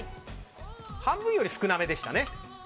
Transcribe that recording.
半分より少なめでしたね。